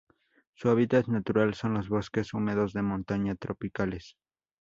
Su hábitat natural son los bosques húmedos de montaña tropicales.